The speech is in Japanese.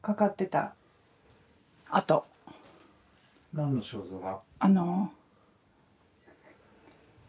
何の肖像画？